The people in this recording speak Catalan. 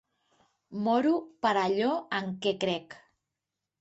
Moro per allò en què crec.